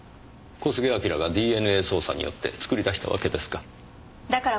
小菅彬がＤＮＡ操作によって作り出したわけですか。